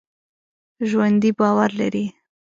ژوندي باور لري